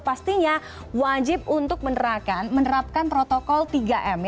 pastinya wajib untuk menerapkan protokol tiga m